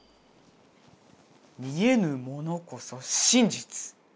見えぬものこそ真実！